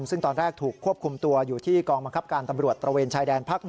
ซึ่งตอนแรกถูกควบคุมตัวอยู่ที่กองบังคับการตำรวจตระเวนชายแดนพัก๑